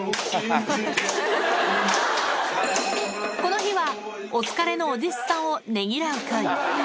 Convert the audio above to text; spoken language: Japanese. この日はお疲れのお弟子さんをね